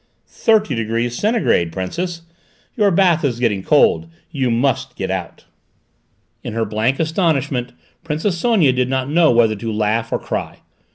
"Thirty degrees, centigrade, Princess! Your bath is getting cold: you must get out!" In her blank astonishment Princess Sonia did not know whether to laugh or cry.